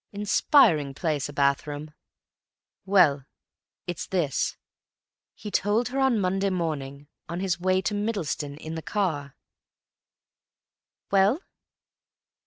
Inspiring place, a bathroom. Well, it's this—he told her on Monday morning, on his way to Middleston in the car." "Well?"